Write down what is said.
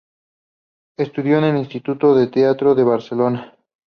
Estudió en el Instituto del Teatro de Barcelona.